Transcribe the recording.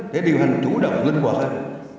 để điều hành chủ động linh quả hơn